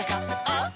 「あっ！